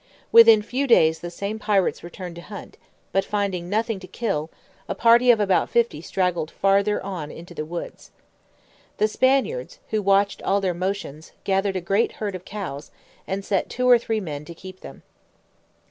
Within few days the same pirates returned to hunt, but finding nothing to kill, a party of about fifty straggled farther on into the woods. The Spaniards, who watched all their motions, gathered a great herd of cows, and set two or three men to keep them.